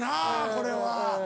これは。